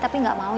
tapi gak mau